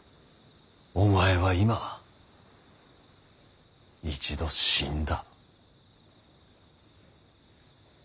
お前は今一度死んだ。